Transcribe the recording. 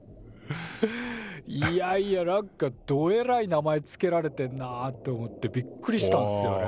いやいやなんかどえらい名前付けられてんなって思ってびっくりしたんすよね。